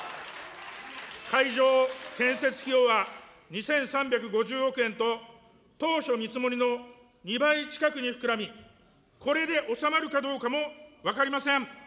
会場建設費用は２３５０億円と、当初見積もりの２倍近くに膨らみ、これで収まるかどうかも分かりません。